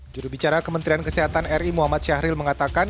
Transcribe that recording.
jurubicara kementerian kesehatan ri muhammad syahril mengatakan